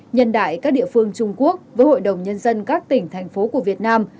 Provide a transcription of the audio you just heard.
nhân đại các địa phương trung quốc với hội đồng nhân dân các tỉnh thành phố của việt nam